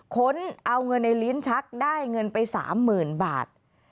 ค้นเอาเงินในลิ้นชักได้เงินไป๓๐๐๐บาท